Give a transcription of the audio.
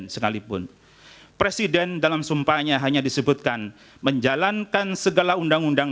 sekalipun presiden dalam sumpahnya hanya disebutkan menjalankan segala undang undang